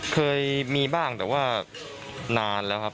เคยมีบ้างแต่ว่านานแล้วครับ